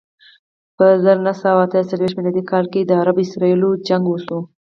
په زر نه سوه اته څلویښت میلادي کال کې د عرب اسراییلو جګړه وشوه.